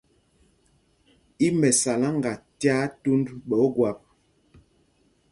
Í Mɛsaláŋga tyaa tūnd ɓɛ̌ Ogwâp.